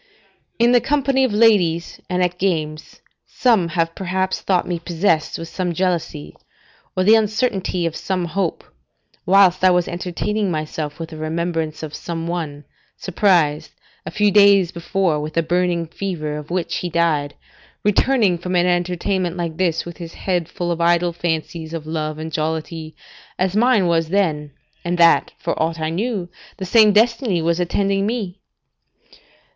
] In the company of ladies, and at games, some have perhaps thought me possessed with some jealousy, or the uncertainty of some hope, whilst I was entertaining myself with the remembrance of some one, surprised, a few days before, with a burning fever of which he died, returning from an entertainment like this, with his head full of idle fancies of love and jollity, as mine was then, and that, for aught I knew, the same destiny was attending me.